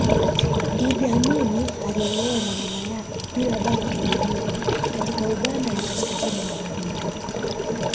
Iddi Amin alilelewa na mama yake bila baba kijijini katika Uganda ya Kaskazini magharibi